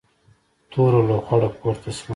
توره لوخړه پورته شوه.